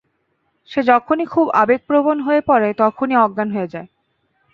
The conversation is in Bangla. সে যখনই খুব আবেগপ্রবণ হয়ে পড়ে তখনই অজ্ঞান হয়ে যায়।